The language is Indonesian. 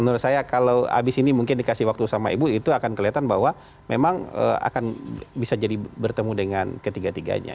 menurut saya kalau habis ini mungkin dikasih waktu sama ibu itu akan kelihatan bahwa memang akan bisa jadi bertemu dengan ketiga tiganya